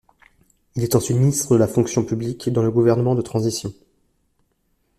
Il est ensuite ministre de la Fonction publique dans le gouvernement de transition.